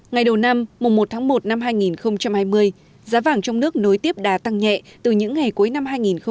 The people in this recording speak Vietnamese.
ngày đầu năm một tháng một năm hai nghìn hai mươi giá vàng trong nước nối tiếp đã tăng nhẹ từ những ngày cuối năm hai nghìn hai mươi